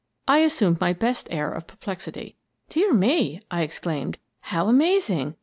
I assumed my best air of perplexity. "Dear me!" I exclaimed "How amazing!